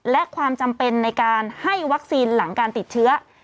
และความจำเป็นในการให้วัคซีนหลังการติดเชื้อ